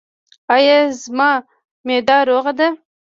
ایا زما معده روغه ده؟